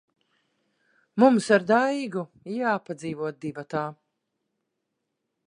Mums ar Daigu jāpadzīvo divatā.